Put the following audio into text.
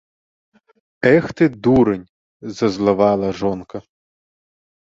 - Эх ты, дурань! - зазлавала жонка